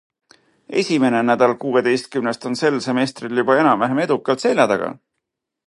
Esimene nädal kuueteistkümnest on sel semestril juba enam-vähem edukalt selja taga.